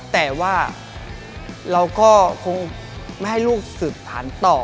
แต่ว่าเราก็คงไม่ให้ลูกสืบสารต่อ